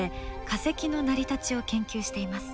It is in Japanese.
化石の成り立ちを研究しています。